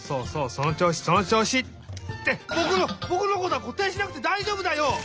そのちょうしそのちょうし！ってぼくのことはこていしなくてだいじょうぶだよ！